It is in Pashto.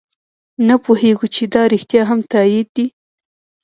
نه پوهېږو چې دا رښتیا هم تایید دی.